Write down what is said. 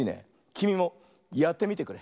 きみもやってみてくれ。